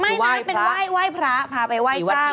ไม่ได้เป็นไหว้พระพาไปไหว้เจ้า